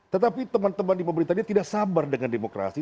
tetapi teman teman di pemerintah ini tidak sabar dengan demokrasi